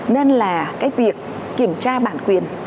nên là cái việc kiểm tra bản quyền